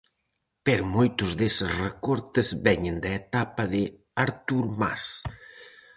Pero moitos deses recortes veñen da etapa de Artur Mas.